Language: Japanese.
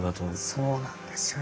そうなんですよ。